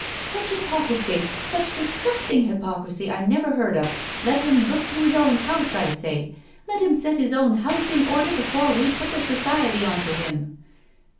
"Such hypocrisy •.. such disgusting hypocrisy I never heard of. Let him look to his own house, I say — let him set his own house in order before we put the Society on to him